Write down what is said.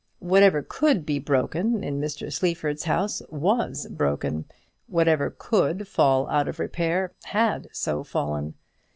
Whatever could be broken in Mr. Sleaford's house was broken; whatever could fall out of repair had so fallen.